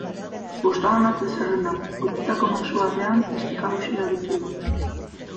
Posta banatze-zerrendan utzitako mezu batean esteka hauxe erakutsi digu.